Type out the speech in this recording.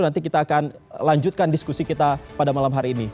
nanti kita akan lanjutkan diskusi kita pada malam hari ini